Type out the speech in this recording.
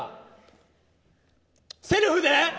セルフで？